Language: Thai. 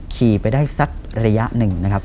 ขี่ไปได้สักระยะหนึ่งนะครับ